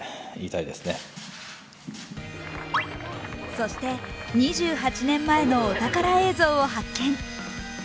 そして、２８年前のお宝映像を発見。